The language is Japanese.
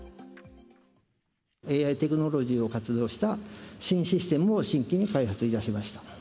ＡＩテクノロジーを活用した新システムを新規に開発いたしま